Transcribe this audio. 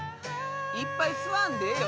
いっぱい吸わんでええよ